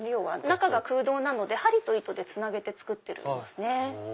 中が空洞なので針と糸でつなげて作ってるんですね。